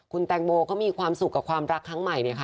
คุณแตงโบก็มีความสุขกับความรักทั้งใหม่